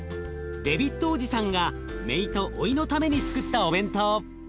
デビッドおじさんがめいとおいのためにつくったお弁当。